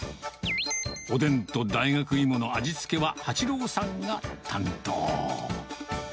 おでんと大学いもの味付けは八朗さんが担当。